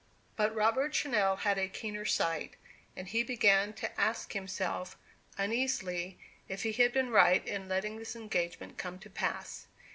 But Robert Channell had a keener sight; and he began to ask himself, uneasily, if he had been right in letting this engagement come to pass?